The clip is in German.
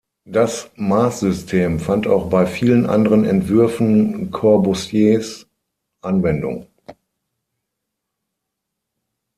Das Maßsystem fand auch bei vielen anderen Entwürfen Corbusiers Anwendung.